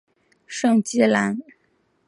圣基兰。